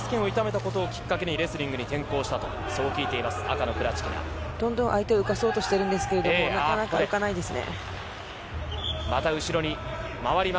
アキレス腱を痛めたことをきっかけにレスリングに転向したと聞い相手を浮かそうとしてるんですけど、なかなかうまくいかないですね。